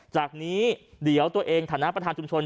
จากนี้เดี๋ยวตัวเองฐานะประธานชุมชน